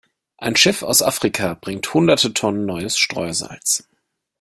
Ein Schiff aus Afrika bringt hunderte Tonnen neues Streusalz.